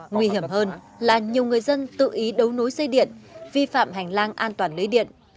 nguy hiểm hơn là nhiều người dân tự ý đấu nối dây điện vi phạm hành lang an toàn lưới điện